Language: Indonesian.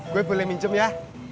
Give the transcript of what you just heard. gue boleh minjem ya